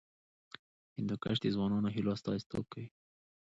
هندوکش د ځوانانو د هیلو استازیتوب کوي.